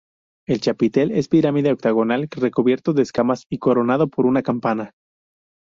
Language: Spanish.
El chapitel es pirámide octogonal recubierto de escamas y coronado por una campana.